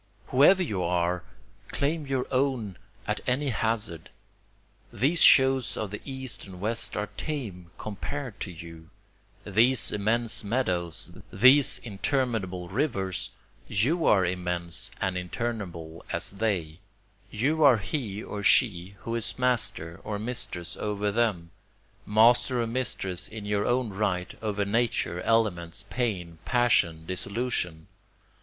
Whoever you are! claim your own at any hazard! These shows of the east and west are tame, compared to you; These immense meadows these interminable rivers you are immense and interminable as they; You are he or she who is master or mistress over them, Master or mistress in your own right over Nature, elements, pain, passion, dissolution.